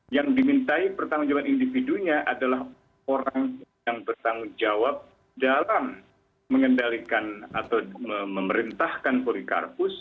yang dimintai pertanggung jawaban individunya adalah orang yang bertanggung jawab dalam mengendalikan atau memerintahkan polikarpus